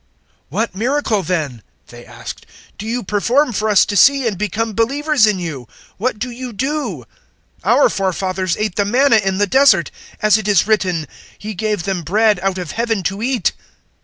006:030 "What miracle then," they asked, "do you perform for us to see and become believers in you? What do you *do*? 006:031 Our forefathers ate the manna in the Desert, as it is written, `He gave them bread out of Heaven to eat'."